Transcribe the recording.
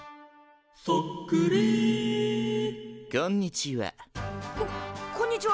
「そっくり」こんにちは。